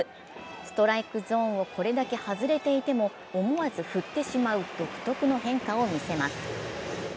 ストライクゾーンをこれだけ外れていても思わず振ってしまう独特の変化を見せます。